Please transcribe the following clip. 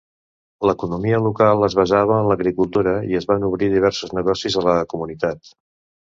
L'economia local es basava en l'agricultura i es van obrir diversos negocis a la comunitat.